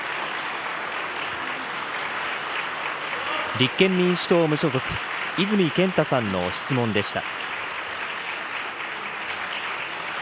立憲民主党・無所属、泉健太さんの質問でした。